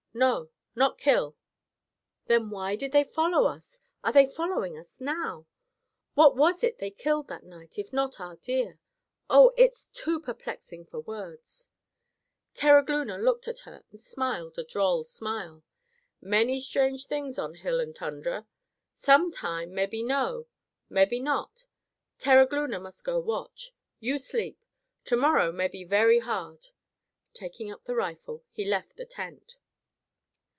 "No. Not kill." "Then why did they follow us? Are they following us now? What was it they killed that night, if not our deer? Oh! it's too perplexing for words." Terogloona looked at her and smiled a droll smile. "Many strange things on hill and tundra. Some time mebby know; mebby not. Terogloona must go watch; you sleep. To morrow mebby very hard." Taking up the rifle, he left the tent.